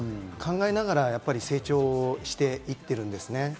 考えながら成長していってるんですね。